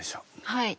はい。